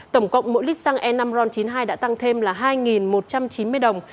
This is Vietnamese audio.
tổng cộng mỗi lít xăng e năm ron chín mươi hai đã tăng thêm là hai một trăm chín mươi đồng